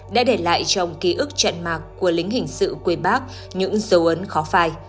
đã để lại trong ký ức trận mạc của lính hình sự quê bác những dấu ấn khó phai